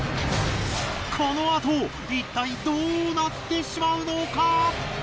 このあといったいどうなってしまうのか！？